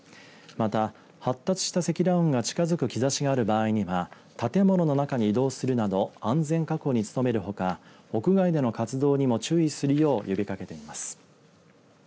また、発達した積乱雲が近づく兆しがある場合には建物の中に移動するなど安全確保に努めるほか屋外での活動にも注意するよう呼びかけています。